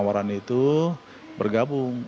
penawaran itu bergabung